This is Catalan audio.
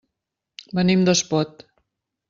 Venim d'Espot.